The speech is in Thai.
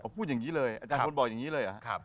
บอกอย่างงี้เลยอาจารย์พลกบอกอย่างงี้เลยหรือครับ